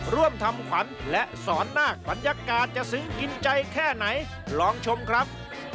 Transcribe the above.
ร่วมทำขวัญและสอนนาคบรรยากาศจะซึ้งกินใจแค่ไหนลองชมครับ